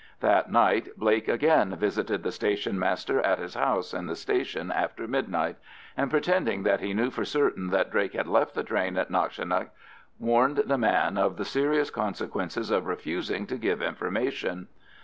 That night Blake again visited the station master at his house in the station after midnight; and pretending that he knew for certain that Drake had left the train at Knockshinnagh, warned the man of the serious consequences of refusing to give information.